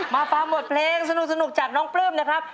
มาฟังบทเพลงสนุกจากน้องปลื้มนะครับ